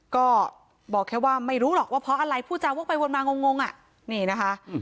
ก็บอกแค่ว่าไม่รู้หรอกว่าเพราะอะไรผู้จาวกไปวนมางงอ่ะนี่นะคะ